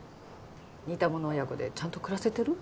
似たもの親子でちゃんと暮らせてる？